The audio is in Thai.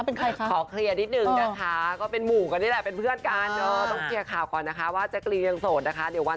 อันนี้เราเป็นแฟนกันเหรอเป็นแฟนกันใช่มั้ย